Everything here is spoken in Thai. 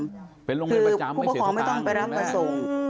คือผู้ปกครองไม่ต้องไปรับไปส่ง